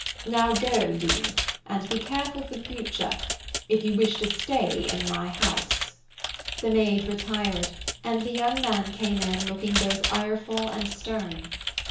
Now go, Dean, and be careful for the future, if you wish to stay in my house." The maid retired, and the young man came in looking both ireful and stern.